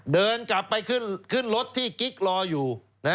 เดินกลับไปขึ้นรถที่กิ๊กรออยู่